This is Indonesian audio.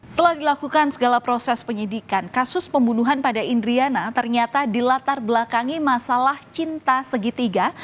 setelah dilakukan segala proses penyidikan kasus pembunuhan pada indriana ternyata dilatar belakangi masalah cinta segitiga